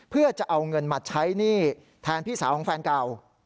เพื่อจะเอาเงินมาใช้หนี้แทนพี่สาวของแฟนเก่า